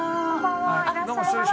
いらっしゃいませ。